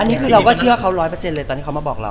อันนี้คือเราก็เชื่อเค้าร้อยเปอร์เซ็นต์เลยตอนที่เค้ามาบอกเรา